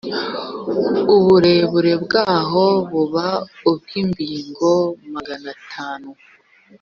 uburebure bwaho bube ubw’imbingo magana atanu